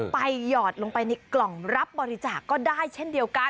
หยอดลงไปในกล่องรับบริจาคก็ได้เช่นเดียวกัน